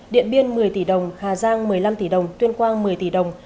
điện biên một mươi tỷ đồng hà giang một mươi năm tỷ đồng tuyên quang một mươi tỷ đồng